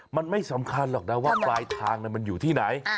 มันไม่สำคัญหรอกนะว่าปลายทางมันอยู่ที่ไหน